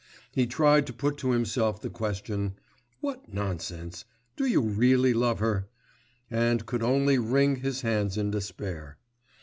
He tried to put to himself the question: 'What nonsense, do you really love her?' and could only wring his hands in despair.